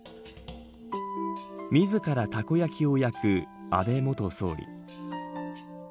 自らたこ焼きを焼く安倍元総理。